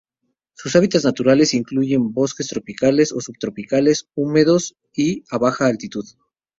Sus hábitats naturales incluyen bosques tropicales o subtropicales húmedos y a baja altitud.